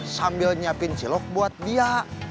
sambil nyiapin cilok buat dia